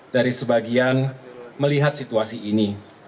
dari sebagian melihat situasi ini